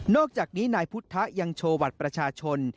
อกจากนี้นายพุทธะยังโชว์บัตรประชาชน